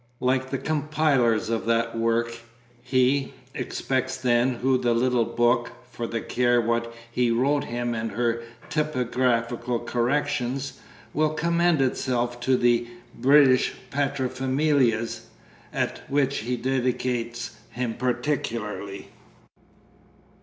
Like the compilers of that work, he "expects then who the little book, for the care what he wrote him and her typographical corrections, will commend itself to the British Paterfamilias at which he dedicates him particularly."